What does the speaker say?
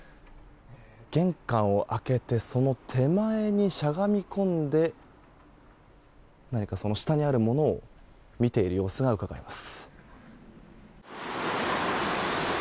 玄関を開けてその手前にしゃがみ込んで何か、その下にあるものを見ている様子がうかがえます。